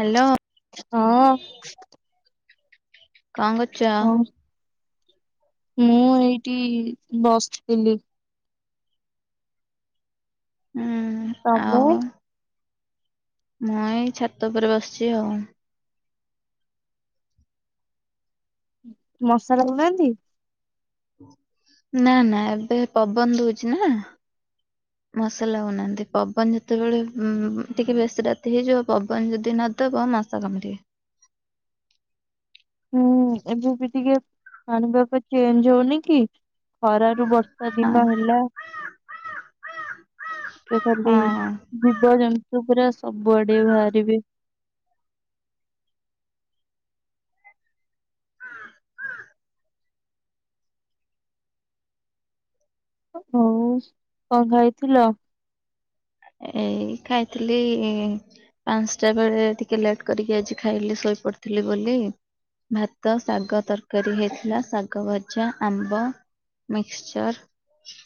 Hello. ହଁ। କଣ କରୁଚ? ହଁ ମୁଁ ଏଇଠି ବସିଥିଲି। ହୁଁ। ତମେ। ମୁ ଏଇ ଛାତ ଉପରେ ବସିଚି ଆଉ। ମଶା ଲାଗୁ ନାହାନ୍ତି। ନା, ନା ଏବେ ପବନ ଦଉଚି ନା। ମଶା ଲାଗୁନାହାନ୍ତି। ପବନ ଯେତେବେଳେ ଟିକେ ବେଶି ରାତି ହେଇଯିବ ପବନ ଯଦି ନ ଦବ ମ ମସା କାମୁଡ଼ିବେ। ହୁଁ। ଏବେ ବି ଟିକେ ପାଣିିପାଗ ଚେଞ୍ଜ ହଉନି କି? ଖର ରୁ ବର୍ଷା ହଁ ଦିନ ହେଲା। ଏବେ ଖାଲି ହଁ। ଜୀବଜନ୍ତୁ ପୁରା ସବୁଆଡେ ବାହାରିବେ। ହଉ କଣ ଖାଇଥିଲ? ଏଇ ଖାଇଥିଲି ପାଞ୍ଚଟା ବେଳେ ଟିକେ ଲେଟ୍ କରିକି ଆଜି ଖାଇଲି ଶୋଇ ପଡିଥିଲି ବୋଲି। ଭାତ ଶାଗ ତରକାରୀ ହେଇଥିଲା ଶାଗ ଭଜା, ଆମ୍ବ ମିକସଚର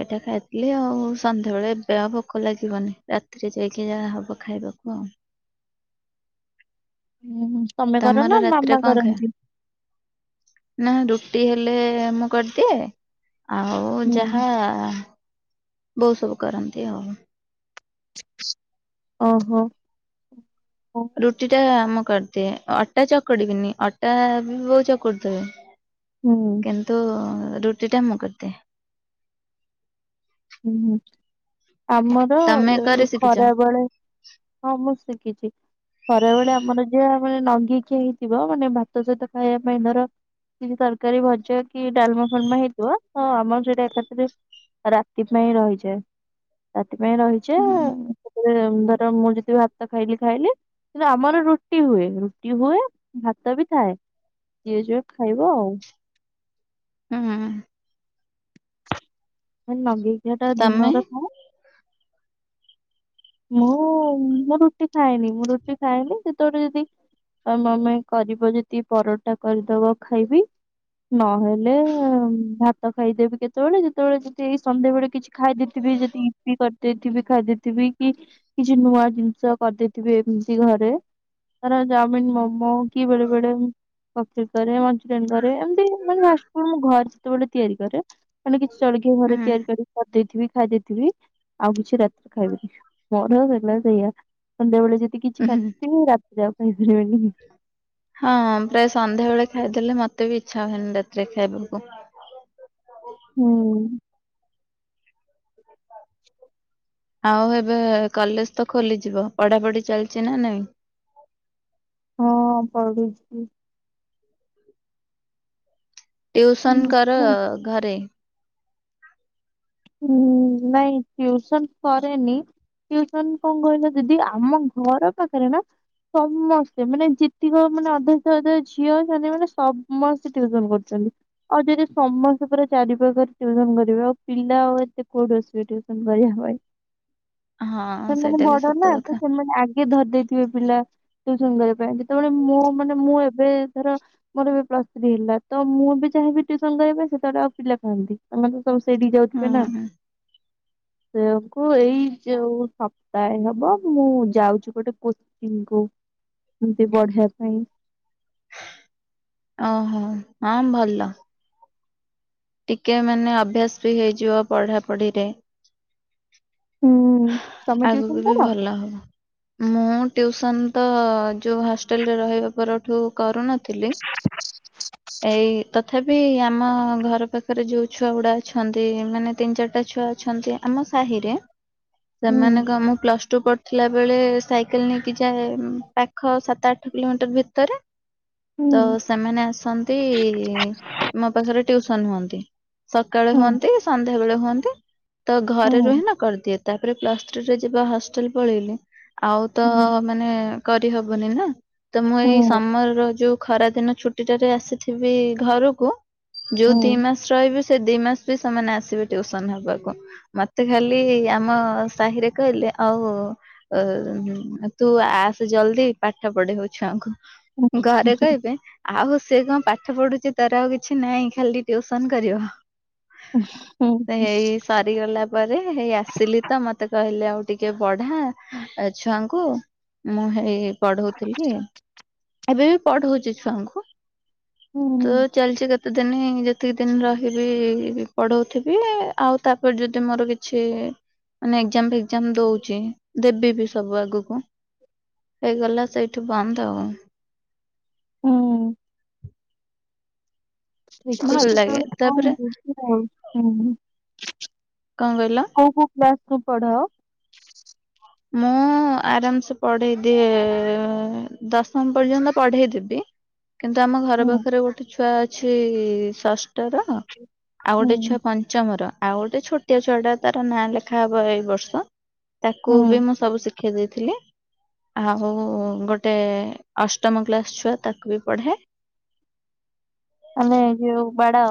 ଏଇଟା ଖାଇଥିଲି ଆଉ ସନ୍ଧ୍ୟାବେଳେ ଏବେ ଆଉ ଭୋ ଭୋକ ଲାଗିବନି ରାତିରେ ଯାଇକି ଯାହା ହବ ଖାଇବାକୁ ଆଉ। ହୁଁ କ ତମର ରାତିରେ କଣ ଖିଆ? ନା ରୁଟି ହେଲେ ମୁଁ କରିଦିଏ ଆଉ ହୁଁ ଯାହା ବୋଉ ସବୁ କରନ୍ତି ଆଉ। ଓହୋ ରୁଟି ଟା ମୁଁ କରିଦିଏ ଅଟା ଚକୁଡିବିନି ଅଟା ବି ବୋଉ ଚକୁଡି ଦେବେ। ହୁଁ। କିନ୍ତୁ ରୁଟି ଟା ମୁଁ କରିଦିଏ। ହୁଁ ହୁଁ ଆମର ତମେ କରି ଶିଖିଛ ଖରାବେଳେ ହଁ ମୁଁ ଶିଖିଛି। ସରାବେଳେ ଆମର ଯହା ମାନେ ନଙ୍ଗି ଖିଆ ହେଇଥିବ ମାନେ ଭାତ ସହିତ ଖାଇବା ପାଇଁ ଧର କିଛି ତରକାରୀ ଭଜା କି ଡାଲମା ଫୁଲମା ହେଇଥିବ ତ ଆମର ସେଟା ଏକାଥରେ ରା ତି ପାଇଁ ରହିଯାଏ ରାତିପାଇଁ ହୁଁ ରହିଯାଏ ଧର ମୁଁ ଯତିବି ଭାତ ଖାଇଲି ଖାଇଲି। କିନ୍ତୁ ଆମର ରୁଟି ହୁଏ ରୁଟି ହୁଏ ଭାତ ବି ଥାଏ। ଯିଏ ଜା ଖାଇବ ଆଉ। ହୁଁ ହୁଁ ହୁଁ। ମ ନଗେଇକି ଟା ତମେ ଦିନର ଥାଏ। ମୁଁ ମୁଁ ରୁଟି ଖାଏନି ମୁଁ ରୁଟି ଖାଏନି ସେତେବେଳେ ଯଦି ତ ମାମି କରିବ ଯଦି ପରଟା କରିଦବ ଖାଇବି ନହେ ଲେ ଭା ତ ଖାଇଦେବି କେତେବେଳେ ଯେତେବେଳେ ଯଦି ଏଇ ସନ୍ଧ୍ୟାବେଳେ କିଛି ଖାଇଦେଇଥିବି ଯଦି ଇିପି କରିଦେଇଥିବି ଖାଇ ଦେଇଥିବି କି କିଛି ନୂଆ ଜିନିଷ କରିଦେଇଥିବେ ଏମିତି ଘରେ ଧର ଚମିନ ମୋ ମୁଁ କି ବେଳେ ବେଳେ [unintelligible] କରେ [unintelligible] କରେ ଏମତି ମାନେ ଫାଷ୍ଟଫୁଡ ଘ ସେତେବେଳେ ତିଆରି କରେ ମାନେ କିଛି ଜଳଖିଆ ହୁଁ ଘରେ ତିଆରି କରିିକି କରି ଦେଇଥିବି ଖାଇ ଦେଇଥିବି ଆଉ କିଛି ରା ଖାଇବି [unintelligible] [unintelligible] ସେଇଆ ସନ୍ଧ୍ୟାବେଳେ ଯଦି କିଛି ହୁଁ ଖାଇଦେଇଥିବି ରାତି ଯାହା ଖାଇପାରିବେନି। ହଁ ପ୍ରାୟ ସନ୍ଧ୍ୟାବେଳେ ଖାଇଦେଲେ ମତେ ବି ଇଚ୍ଛା ହୁଏନି ରାତିରେ ଖାଇବାକୁ। ହୁଁ। [unintelligible] ଆଉ ଏବେ କଲେଜ ତ ଖୋଲିଯିବ ପଢାପଢି ଚାଲିଛି ନା ନାଇଁ? ହଁ ପଢୁଛି। ଟିଉସନ କର ଘରେ? ଉଁ ନାଇଁ ଟିୟୁସନ୍ କରେନି। ଟିଉସନ କଣ କହିଲ ଦିଦି ଆମ ଘର ପାଖରେ ନା ସମସ୍ତେ ମାନେ ଯେତିକ ମାନେ ଅଧ ଅଧ ଝିଅ ମାନେ ସମସ୍ତେ ଟିୟୁସନ କରୁଛନ୍ତି। ଆଉ ଯଦି ସମସ୍ତେ ପୁରା ଚାରି ପାଖରେ ଟିୟୁସନ କରିବେ ଆଉ ପିିଲା ଆଉ ଏତେ କୁଆଡୁ ଆସିବେ ଟିୟୁସନ କରିବା ପାଇଁ। ହଁ ସେମାନେ ସେଇଟା ବି ବଡ ନା ସତ ତ କଥା ସେମାନେ ଆଗେ ଧରିଦେଇଥିବେ ପିଲା ଟିୟୁସନ କରିବା ପାଇଁ ଯେତେବେଳେ ମୁଁ ମାନେ ମୁଁ ଏବେ ଧର ମୋର ବି ପ୍ଲସ ଥ୍ରୀ ହେଲା ତ ମୁଁ ବି ଚାହିଁବି ଟିୟୁସନ କରିବା ପାଇଁ ସେତେବେଲେ ଆଉ ପିଲା କାହାନ୍ତି ଏମାନେ ତ ସେଇଠିକି ଯାଉଥିବେ ହୁଁ ନା? ହୁଁ। ସେଇଆକୁ ଏଇ ଯୋଉ ସପ୍ତାହେ ହବ ମୁଁ ଯାଉଚି ଗୋଟେ ପେ ଡିଙ୍ଗୋ ଏମିତି ପଢେଇବା ପାଇଁ। ଓହୋ ହଁ ଭଲ। ଟିକେ ମାନେ ଅଭ୍ୟାସ ବି ହେଇଯିବ ପଢା ପଢିରେ। ହୁଁ। ତମେ ଟିଉସନ ଆଗକୁ ବି କର? ଭଲ ହବ। ମୁଁ ଟ୍ୟୁସନ୍ ତ ଯୋଉ ହଷ୍ଟେଲରେ ରହିବା ପରଠୁ କରୁନ ଥିଲି ଏଇ ତଥାପି ଆମ ଘର ପାଖ ପାଖରେ ଯୋଉ ଛୁଆ ଗୁଡା ଅଛନ୍ତି ମାନେ ତିନି ଚାରିଟା ଛୁଆ ଅଛନ୍ତି ଆମ ସାହି ରେ। ହୁଁ ସେମାନେ କ ମୁଁ ପ୍ଲସ୍ ଟୁ କ ଥିଲା ବେଳେ ସାଇକେଲେ ନେଇକି ଯାଏ ପାଖ ସାତ ଆଠ କିଲୋମିଟର ଭିତରେ। ହୁଁ ତ ସେମାନେ ଆସନ୍ତି ମୋ ପାଖରେ ଟିଉସନ୍ ହୁଅନ୍ତି। ସକାଳେ ହୁଁ ହୁଅନ୍ତି ସନ୍ଧ୍ୟା ବେଳେ ହୁଅନ୍ତି ତ ଘରେ ହୁଁ ରୁହେ ନା କରି ଏତାପରେ ପ୍ଲସ୍ ଥ୍ରୀରେ ଯିବା ହଷ୍ଟେଲେ ପଳେଇଲେ ଆଉ ତ ମାନେ କରିହବନି ନା ତ ମୁଁ ହୁଁ ଏଇ ହୁଁ ସମର ର ଯୋଉ। ଖରା ଦିନ ଛୁଟି ଟାରେ ଆସିଥିବି ଘରକୁ ଯୋଉ ଦି ହୁଁ। ମାସ୍ ରହିବି ସେ ଦି ମାସେ ବି ସେମାନେ ଆସିବେ ଟିଉସନ୍ ହବାକୁ ମତେ ଖାଲି ଆପ୍ ଆମ ସାହିରେ କହିଲେ ଆଉ ଅ ତୁ ଆସେ ଜଲଦି ପାଠ ପଢେଇବୁ ଛୁଆଙ୍କୁ। ଘରେ କହିବେ ଆଉ ସେ କଣ ପାଠ ପଢୁଛି ତାର ଆଉ କିଛି ନାହିଁ ଖାଲି ଟିଉସନ୍ କରିବ। ହୁଁ ହେଇ ସରିଗଲା ପରେ ହେଇ ଆ ଆଶିଲି ତ ମତେ କହିଲେ ଆଉ ଟିକେ ପଢ଼ା ଛୁଆଙ୍କୁ। ମୁଁ ହେଇ ପଢଉଥିଲି ଏବେ ବି ପଢଉଚି ଛୁଆଙ୍କୁ। ହୁଁ ତୁ ତ୍। ଚାଲିଚି କେତେଦିନି ଯେତିକି ଦିନି ରହିବି ପଢ଼ୋଉଥିବି ଆଉ ତାପରେ ଯଦି ମୋର କିଛି କିଛି ମାନେ ଏକେଜାମ ଫେକେଜାମ ଦଉଚି ଦେବି ବି ସବୁ ଆଗକୁ। ହେଇଗଲା ସେଇଠି ବନ୍ଦ ଆଉ। ହୁଁ। ଭଲ ଲାଗେ ତାପରେ [inaudible] କଣ କହିଲ? କୋଇଠି ପ୍ଲସ୍ ଟୁ ପଢୁଆ? ମୁଁ। ମୁଁ ଆରାମସେ ପଢେଇ ଦିଏ ଦଶମ ପର୍ଯ୍ୟନ୍ତ ପଢେଇ ଦେବି। କିନ୍ତୁ ଆମ ଘର ହୁଁ ପାଖରେ ଗୋଟେ ଛୁଆ ଅଛି ଷଷ୍ଠ ର। ଆଉ ହୁଁ ଗୋଟେ ଛୁଆ ପଞ୍ଚମର ଆଉ ଗୋଟେ ଛୋଟିଆ ଛୁଆ ଟା ତାର ନାଁ ଲେଖା ହବ ଏଇ ବର୍ଷ। କୁ ହୁଁ ବି ମୁଁ ସବୁ ଶିଖେଇ ଦେଇଥିଲି। ଆଉ ଗୋଟେ ଅଷ୍ଟମ କ୍ଲାସ୍ ଛୁଆ ତାକୁ ବି ପଢାଏ। ଆମେ ଯୋଉ ବଡ଼।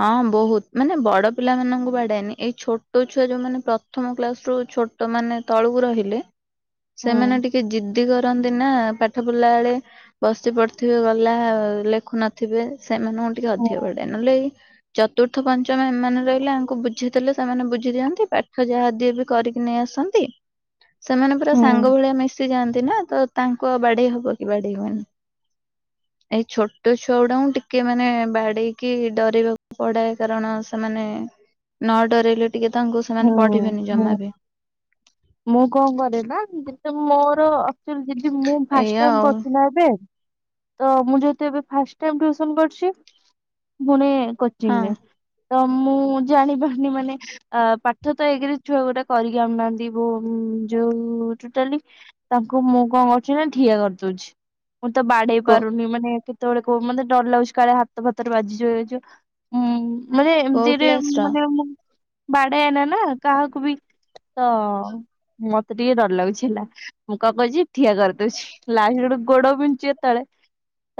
ହଁ ବହୁତ୍ ମାନେ ବଡ ପିଲାମାନଙ୍କୁ ବାଡାଏନି ଏଇ ଛୋଟ ଛୁଆ ଯୋଉ ମାନେ ପ୍ର ପ୍ରଥମ କ୍ଲାସରୁ ଛୋଟ ମାନ ତଳକୁ ରହିଲେ ହୁଁ ସେମାନେ ଟିକେ ଯିଦ୍ ଜିଦି କରନ୍ତି ନା ପାଠ ପଢ଼ିଲା ବେଳେ ବସି ପଢିଥିବେ ଗଲା ଲେଖୁ ନଥିବେ। ସେମାନଙ୍କୁ ଟିକେ ହୁଁ ଅଧିକ ବାଡାଏ ନଲେଏଇ ଚତୁର୍ଥ ପଞ୍ଚମ ଏମାନେ ରହିଲେ ଆଙ୍କୁ ବୁଝେଇ ଦେଲେ ସେମାନେ ବୁଝି ଦିଅନ୍ତି ପାଠ ଯାହା ଦିଏ ବି କରିକି ନେଇ ଆସନ୍ତି ସେମାନେ ପୁରା ହୁଁ ସାଙ୍ଗ ଭଳିଆ ମିଶ ଯାଆନ୍ତି ନା ତ ତାଙ୍କ ବାଡେଇ ହବ କି ବାଡେଇ ହବନି ଏଇ ଛୋଟ ଛୁଆ ଗୁଡାଙ୍କୁ ଟିକେ ମାନେ ବାଡେଇକି ଡରେଇବାକୁ ପଢାଏ କାରଣ ସେମାନେ ନ ଡରିଲେ ଟିକେ ତାଙ୍କୁ ସେମାନେ ହୁଁ ପଢିବେନି ହୁଁ। ଜମା ବି ମୁଁ କଅଁ କରେ ନା ମୋର ଆକ୍ଚୁଆଲି ଦିଦି ମୁଁ ଫାଷ୍ଟ ଏଇଆ ଟାଇମ ଆଉ ପଢୁଛିନା ଏବେ ତ ମୁଁ ଯେହେତୁ ଏବେ ଫାଷ୍ଟ ଟାଇମ ଟିଉସନ କରୁଚି ପୁଣି କୋଚିଂ ହଁ ରେ ତ ମୁଁ ଜାଣିପାରୁନି ମାନେ ଅ ପାଠ ତ ଏକେରେ ଛୁଆ ଗୁଡା କରିକି ଆଣୁନାହାନ୍ତି। ଯୋଉ ଟୋଟାଲି ତାଙ୍କୁ ମୁଁ କଣ କରୁଛି ନା ଠିଆ କରିଦଉଛି। ମୁଁ ତ ବାଡେଇ କୋ ପାରୁନି ମାନେ କେତେବେଳେ ବୋଉ ମତେ ଡର ଲାଗୁଛି କାଳେ ହାତ ଫତରେ ବାଜିଯିବ ଉଁ ମାନେ କୋଉ ଏମିତିରେ କ୍ଲାସ ର ମାନେ ମୁଁ ବାଡେଆନା ନା କାହାକୁ ବି ତ ମତେ ଟିକେ ଡର ଲାଗୁଛି ହେଲା ମୁଁ କଅଁ କହୁଛି ଠିଆ କରିଦଉଛି ଲାଷ୍ଟକୁ ହେଟୁ ଗୋଡ ବିନ୍ଧୁଚି ତାଳେ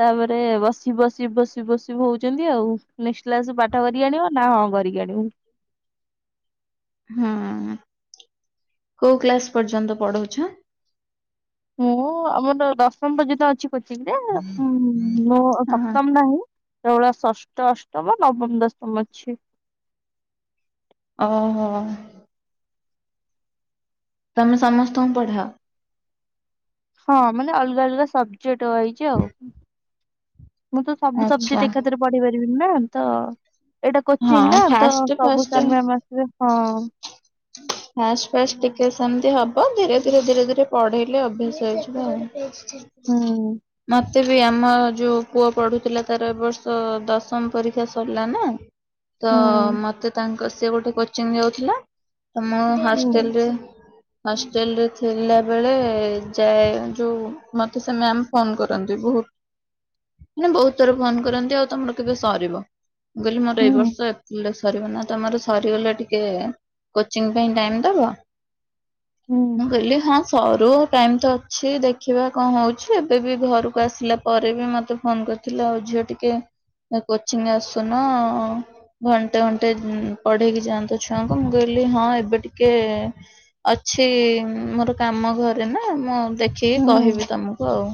ତାପରେ ବସି ବସି ବସି ବସି ହଉଛନ୍ତି ଆଉ। ନେକ୍ସଟ୍ଲାସୁ ପାଠ କରିକି ଆଣିବ ନା ହଁ କରିକି ଆଣିବୁ। ହୁଁ ହୁଁ କୋଉ କ୍ଲାସ ପର୍ଯ୍ୟନ୍ତ ପଢଉଛ? ମୁଁ ଆମର ଦଶମ ପର୍ଯ୍ୟନ୍ତ ଅଛି କୋଚିଙ୍ଗିରେ ମୋ ହଁ ସପ୍ତମ ନାହିଁ। ସେଭଳିଆ ଷଷ୍ଠ ଅଷ୍ଟମ ନବମ ଦଶମ ଅଛି। ଓହୋ। ତମେ ସମସ୍ତଙ୍କୁ ପଢାଅ? ହଁ ମାନେ ଅଲଗା ଅଲଗା ସବଜେକ୍ଟ ରହିଛି ଆଉ ମୁଁ ତ ସବୁ ଆଚ୍ଛା ସବଜେକ୍ଟା ଏକା ସେଥିରେ ପଢି ପାରିବିନି ନା ତ ଏଇଟା ହଁ କୋଚିଙ୍ଗ ନା ତ ଫାଷ୍ଟ ସବୁ ଫାଷ୍ଟ ସାର୍ ମ୍ୟାମ ଆସି ଇରେ, ହଁ। ଫାଷ୍ଟ ଫାଷ୍ଟ ଟିକେ ସେମତି ହବ ଧୀରେ ଧୀରେ ଧୀରେ ଧୀରେ ପଢେଇଲେ ଅଭ୍ୟାସ ହେଇଯିବ ଆଉ। ହୁଁ ମତ୍ ଏତେ ବି ଆମ ଯୋଉ ପୁଅ ପଢୁଥିଲା ତାର ଏ ବର୍ଷ ଦଶମ ପରୀକ୍ଷା ସରିଲା ନା ତ ହୁଁ। ମତେ ତାଙ୍କ ସିଏ ଗୋଟେ କୋଚିଂ ଯାଉଥିଲା ମୁଁ ହୁଁ ହଷ୍ଟେଲ ରେ ହଷ୍ଟେଲ ରେ ଥିଲା ବେଳେ ଯାଏ ଯୋଉ ମତେ ସେ ମ୍ୟାାମ ଫୋନ କରନ୍ତି ବହୁତ ମାନେ ବହୁତ ଥର ଫୋନ କରନ୍ତି ଆଉ ତମର କେବେ ସରିବ। ମୁ କହିଲି ମୋର ହୁଁ ଏଇ ବର୍ଷ ଏପ୍ରିଲରେ ସରିବ ନା ତମର ସରିଗଲେ ଟିକେ କୋଚିଂ ପାଇଁ ଟାଇମ ଦବ ହୁଁ ମୁଁ କହିଲି ହଁ। ସରୁ ଟାଇମ୍ ତ ଅଛି ଦେଖିବା କଅଁ ହଉଛିଏବେ ବି ଘରକୁ ଆସିଲା ପରେ ବି ମୋତେ ଫୋନ୍ କରି ଥିଲା ଆଉ ଝିଅ ଟିକେ ହେ କୋଚିଂ ଆସୁନ ଘଣ୍ଟେ ଘଣ୍ଟେ ପଢେଇକି ଯାଆନ୍ତ ଛୁଆଙ୍କୁ ମୁ ମୁଁ କହିଲି ହଁ ଏବେ ଟିକେ ଅଛି ମୋର କାମ ଘରେ ନା ମୋ ହୁଁ ଦେଖିକି କହିବି ତମକୁ ଆଉ।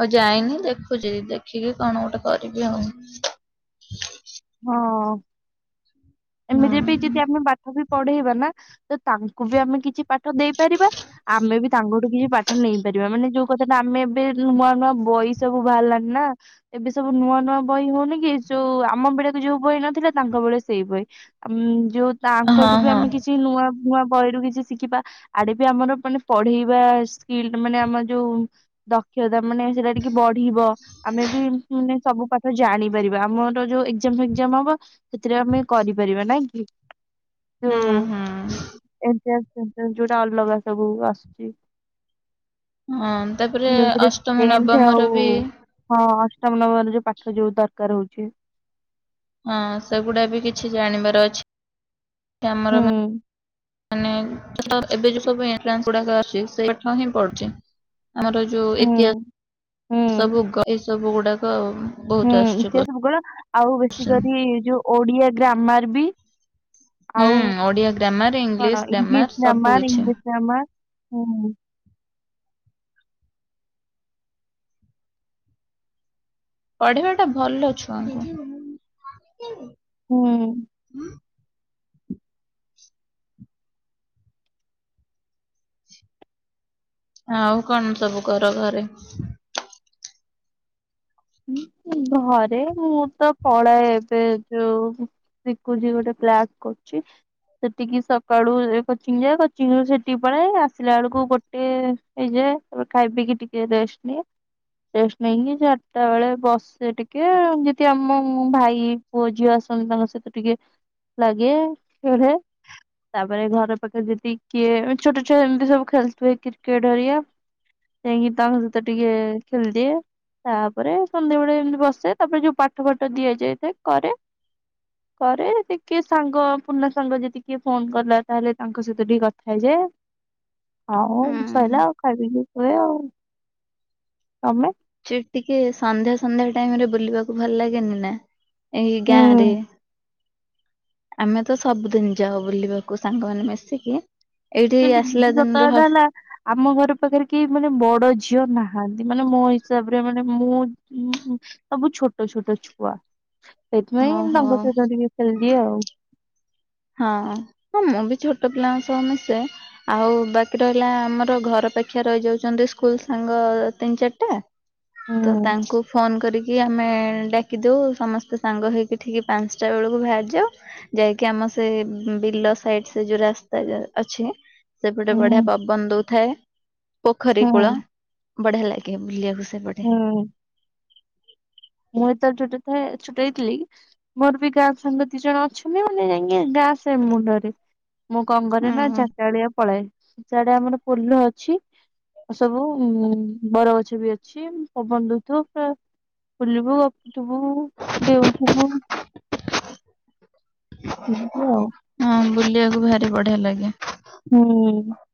ଆଉ ଯାଇନି ଦେଖୁଛି ଦେଖିକି କଣ ଗୋଟେ କରିବି ଆଉ ହଁ ହୁଁ ଏମିତି ବି ଯଦି ଆମେ ପାଠ ବି ପଢେଇବା ନା ତ ତାଙ୍କୁ ବି ଆମେ କିଛି ପାଠ ଦେଇପାରିବା ଆମେ ବି ତାଙ୍କଠୁ କିଛି ପାଠ ନେଇ ପାରିବା ମାନେ ଯୋଉ କଥା ଟା ଆମେ ଏବେ ନୂଆ ନୂଆ ବହି ସବୁ ବାହାରିଲାନଣି ନା ଏବେ ସବୁ ନୂଆ ନୂଆ ବହି ହଉନି କି ଯୋଉ ଆମ ବେଳେ ଯୋଉ ବହି ନଥିଲା ତାଙ୍କ ବେଳେ ସେଇ ବହି ଯୋଉ ହଁ ତାଙ୍କଠୁ ବି ହଁ ଆମେ କିଛି କିଛି ନୂଆ ନୂଆ ବହିରୁ କିଛି ଶିଖିବା ଆଡେ ବି ଆମର ମାନେ ପଢେଇବା ସ୍କିଲ୍ ମାନେ ଆମର ଯୋଉ ଦକ୍ଷତା ମାନେ ସେଟା ଟିକେ ବଢିବ ଆମେ ବି ମାନେ ସବୁ ପାଠ ଜାଣିପାରିବା ଆମର ଯୋଉ ଏକ୍ଜାମ ଫେକ୍ଜାମ ହବ। ସେଥିରେ ଆମେ କରିପାରିବା ନାଇଁ କି ହୁଁ ତଉ ହୁଁ ଏମିତି ଆ। ଯୋଉଟା ଅଲଗା ସବୁ ଆସୁଛି। ହଁ ତାପରେ ଯୋଉଥିରେ ଅଷ୍ଟମ ଟେନ୍ଥ୍ ନବମର ଆଉ ବି ହଁ ଅଷ୍ଟମ ନବମର ଯୋଉ ପାଠ ଯୋଉ ଦରକାର ହଉଛି। ହଁ ସେଗୁଡା ବି କିଛି ଜାଣିବାର ଅଛି ଆମର। ହୁଁ ମାନେ ଏବେ ଯୋଉ ସବୁ ଏଣ୍ଟ୍ରାନ୍ସ ଗୁଡାକ ଅଛି ସେହି ପାଠ ହିଁ ପଡୁଛି। ଆମର ଯୋଉ ହୁଁ ହୁଁ ଇତିହାସ ସବୁ ଏ ସବୁ ଗୁଡାକ। ବହୁତ ହୁଁ ଆସୁଛି ସେ ସବୁ କଳେ ଆଉ ବେଶୀ କୋଶ୍ଚିନ୍ କରି ଯୋଉ ଓଡିଆ ଗ୍ରାମର ବି। ହୁଁ ଆଉ ଓଡିଆ ଗ୍ରାମାର ଇଂଲିଶ କଣ ଗ୍ରାମାର ଇଂଲିଶ ସବୁ ଗ୍ରାମର୍ କିଛି ଇଂଲିଶ। ଗ୍ରାମାର୍ ହୁଁ ପଢିବା ଟା ଭଲ ଛୁଆଙ୍କୁ। ହୁଁ ଆଉ କଣ ସବୁ କର ଘରେ ଘରେ ମୁଁ ତ ପଳା ଏବେ ଯୋଉ ଶିକୁଚି ଗୋଟେ କ୍ଲାସ୍ କରୁଛି। ସେଠିକି ସକାଳୁ କୋଚିଂ ଯାଏ କୋଚିଂ ରୁ ସେଠିକି ପଳାଏ ଆସିଲା ବେଳକୁ ଗୋଟେ। ହେଇଯାଏ ଖାଇ ପିକି ଟିକେ ରେଷ୍ଟ ନିଏ ରେଷ୍ଟ ନେଇକି। ତା ବେଳେ ବସେ ଟିକେ ଯଦି ଆମ ଭାଇ ପୁଅ ଝିଅ ଆସନ୍ତି ତାଙ୍କ ସହିତ ଟିକେ। ଲାଗେ ଏଠେ ତାପରେ ଘର ପାଖରେ ଯଦି କିଏ ଛୋଟ ଛୁଆ ଏମିତି ସବୁ ଖେଳିଥିବେ କ୍ରିକେଟ ହେରିଆ। ଯାଇକି ତାଙ୍କ ସହିତ ଟିକେ ଖେଳିଦିଏ ତା ତାପରେ ସନ୍ଧ୍ୟାବେଳେ ଏମିତି ବସେ ତାପରେ ଯୋଉ ପାଠ ଫାଠ ଦିଆଯାଇଥାଏ କରେ [inaudible] ପରେ ଟିକେ ସାଙ୍ଗ ପୁର୍ଣା ସାଙ୍ଗ ଯଦି କିଏ ଫୋନ କଲା ତାହେଲେ ତାଙ୍କ ସହିତ ଟିକେ କଥା ହେଇଯାଏ। [inaudible] ଆଉ ହୁଁ ସଇଲା ଆଉ ଖାଇ ପିିକି ଶୋଇଆ ଆଉ ତମେ ସେ ଟିକେ ସନ୍ଧ୍ୟା ସନ୍ଧ୍ୟା ଟାଇମ ରେ ବୁଲିବାକୁ ଭଲ ଲାଗେନି ନା ଏହି ଗାଁରେ। ହୁଁ। ଆମେ ତ ସବୁଦିନି ଯାାଉ ବୁଲିବାକୁ ସାଙ୍ଗମାନେ ମିଶିକି ଏଇଠି ଆକ୍ଚୁଆଲି ଦିଦି ଆସିଲା ସତ ଦିନରୁ କଥା ହେଲା ଆମ ଘର ପାଖରେ କେହି ମାନେ ବଡ ଝିଅ ନାହାନ୍ତି ମାନେ ମୋ ହିସାବରେ ମାନେ ମୁଁ ଉଁଁ ସବୁ ଛୋଟ ଛୋଟ ଛୁଆ ସେଇଥିପାଇଁ ଓହୋ ତାଙ୍କ ସହିତ ଟିକେ ଖେଳି ଦିଏ ଆଉ ହଁ ହଁ ମୁଁ ବି ଛୋଟ ପିଲାଙ୍କ ସହ ମିଶେ ଆଉ ବାକି ରହିଲା ଆମର ଘର ପାଖିଆ ରହି ଯାଉଛନ୍ତି ସ୍କୁଲ ସାଙ୍ଗ ତିନି ଚାରିଟା ତ ହୁଁ ତାଙ୍କୁ ଫୋନ କରିକି ଆମେଡା ଦଉ ସମସ୍ତେ ସାଙ୍ଗ ହେଇକି ଠିକ୍ ପାଞ୍ଚଟା ବେଳକୁ ବାହାରି ଯାଉ ଯାଇକି ଆମ ସେ ବିଲ ସାଇଡ ସେ ଯୋଉ ରାସ୍ତା ଅଛି ସେପଟେ ହୁଁ ବଢିଆ ପବ ବନଦଉଥାଏ ପୋଖରୀ ହୁଁ କୂଳ ବଢିଆ ଲାଗେ ବୁଲିବାକୁ ସେ ପଟେ ହଁ ମୁଁ ଏତବେଳେ ଛୋଟ ଥାଏ ଏ ଛୁଟ ହେଇଥିଲି ମୋର ବି ଗାଁ ସାଙ୍ଗ ଦି ଜଣ ଅଛନ୍ତି ମାନେ ଯାଇକି ଗାଁ ସେ ମୁଣ୍ଡରେ ମୁଁ କଣ କରେ ନା ହଁ ଚାରିଟା ଅଳିଆ ପଳାଏ ସିଆଡ଼େ ଆମର ପୋଲ ଅଛି ସବୁ ଉ ବରଗଛ ବି ଅଛି ପବନ ଦଉଥିବ ପୁରା ବୁଲିବୁ ଗପୁଥିବୁ ଡେଉଁଥିବୁ ଏମତି ଆଉ। ହଁ ବୁଲିବାକୁ ଭାରି ବଢିଆ ଲାଗେ। ହୁଁ।